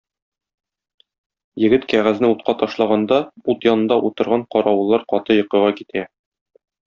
Егет кәгазьне утка ташлаганда, ут янында утырган каравыллар каты йокыга китә.